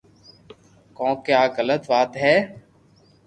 ڪون ڪي آ غلط وات ھي